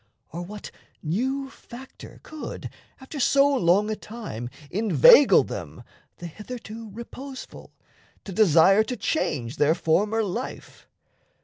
Or what new factor could, After so long a time, inveigle them The hitherto reposeful to desire To change their former life?